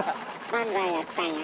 漫才やったんや。